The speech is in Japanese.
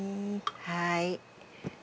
はい。